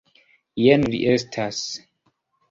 Jen li estas.